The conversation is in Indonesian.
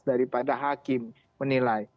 daripada hakim menilai